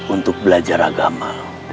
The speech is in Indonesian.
untuk belajar agama